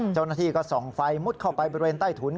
เจ้าหน้าที่ก็ส่องไฟมุดเข้าไปบริเวณใต้ถุน